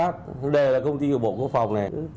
khảo sát đây là công ty điều bộ công phòng này